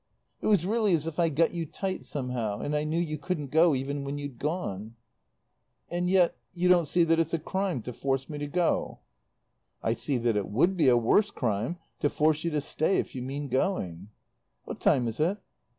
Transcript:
It was really as if I'd got you tight, somehow; and I knew you couldn't go, even when you'd gone." "And yet you don't see that it's a crime to force me to go." "I see that it would be a worse crime to force you to stay if you mean going. "What time is it?"